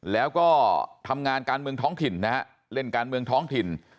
แล้วก็ทำงานการเมืองท้องถิ่นนะฮะเล่นการเมืองท้องถิ่น